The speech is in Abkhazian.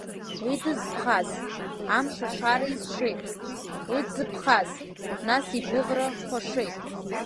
Уи дызтәхаз, амыш-шара изшеит, уи дзыԥхаз, нас игәыӷра хәашеит!